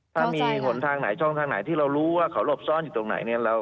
ถ้ามีหนทางไหนช่องทางไหนที่เรารู้ว่าเขาหลบซ่อนอยู่ตรงไหนเนี่ย